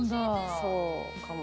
そうかも。